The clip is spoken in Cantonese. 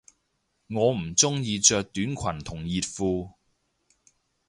我唔鍾意着短裙同熱褲